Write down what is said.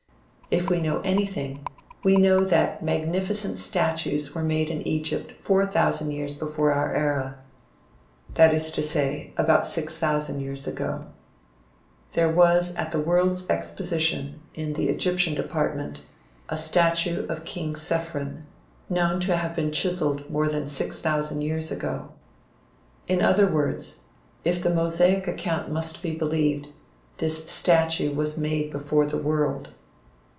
If we know anything, we know that magnificent statues were made in Egypt four thousand years before our era that is to say, about six thousand years ago. There was at the World's Exposition, in the Egyptian department, a statue of king Cephren, known to have been chiseled more than six thousand years ago. In other words, if the Mosaic account must be believed, this statue was made before the world.